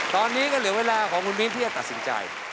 ตอนนี้ก็เหลือเวลาของคุณมิ้นที่จะตัดสินใจ